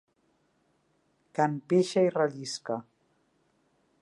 Can pixa i rellisca.